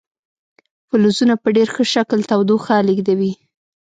فلزونه په ډیر ښه شکل تودوخه لیږدوي.